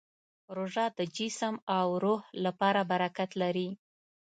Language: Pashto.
روژه د جسم او روح لپاره برکت لري.